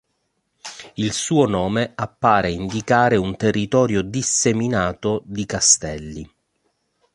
Il suo nome appare indicare un territorio disseminato di castelli.